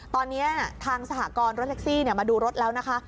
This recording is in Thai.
ตอนนี้ทางสหกรณ์รถแท็กซี่มาดูรถแล้วนะคะ